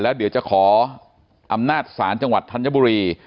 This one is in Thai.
แล้วเดี๋ยวจะขออำนาจศาลจังหวัดธัญบุรี